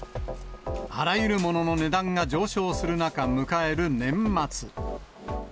あらゆるものの値段が上昇する中、迎える年末。